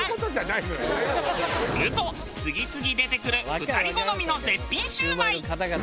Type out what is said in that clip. すると次々出てくる２人好みの絶品シュウマイ。